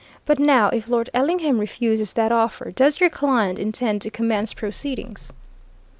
But now, if Lord Ellingham refuses that offer, does your client intend to commence proceedings?"